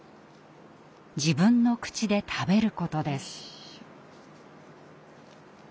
自分の口で食べることです。